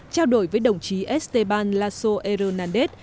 chào đổi với đồng chí esteban lasso hernández